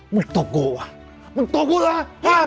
มึงตกกูว่ะมึงตกกูเหรอ